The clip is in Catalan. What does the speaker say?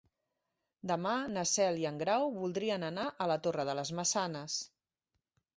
Demà na Cel i en Grau voldrien anar a la Torre de les Maçanes.